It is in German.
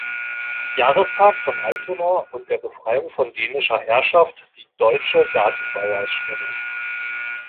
Jahrestag von Altona und der Befreiung von Dänischer Herrschaft die "Deutsche Gartenbauausstellung".